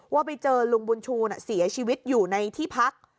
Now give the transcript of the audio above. ว่าไปเจอลุงบุญชูเสียชีวิตอยู่ในที่พัก